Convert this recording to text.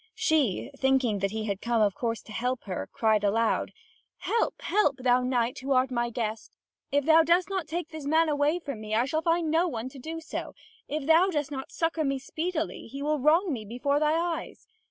She, thinking that he had come of course to help her, cried aloud: "Help, help, thou knight, who art my guest. If thou dost not take this man away from me, I shall find no one to do so; if thou dost not succour me speedily, he will wrong me before thy eyes.